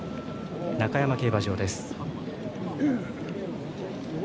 中山競馬場です。